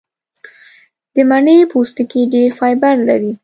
د مڼې پوستکی ډېر فایبر لري.